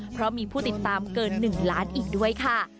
เพราะมีผู้ติดตามเกิน๑ล้านอีกด้วยค่ะ